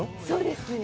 そうです。